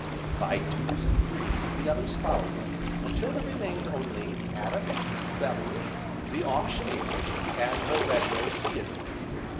By twos and threes the others followed him until there remained only Adam, Bellew, the Auctioneer, and the red nosed Theodore.